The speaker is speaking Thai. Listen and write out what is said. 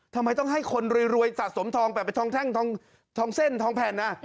ทำไมต้องให้คนรวยสะสมทองแบบเป็นทองแท่งทองเส้นทองแผ่น